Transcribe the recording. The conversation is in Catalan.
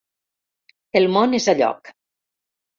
El món és a lloc.